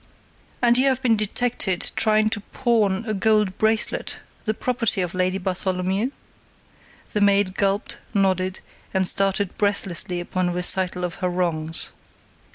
"And you have been detected trying to pawn a gold bracelet, the property of Lady Bartholomew?" The maid gulped, nodded and started breathlessly upon a recital of her wrongs.